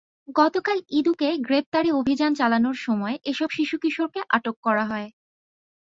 গতকাল ইদুকে গ্রেপ্তারে অভিযান চালানোর সময় এসব শিশু-কিশোরকে আটক করা হয়।